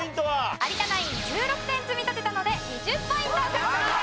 有田ナイン１６点積み立てたので２０ポイント獲得です。